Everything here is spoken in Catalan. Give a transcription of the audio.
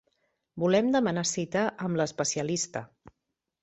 Volem demanar cita amb l'especialista.